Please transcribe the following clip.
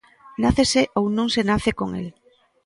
Nácese ou non se nace con el.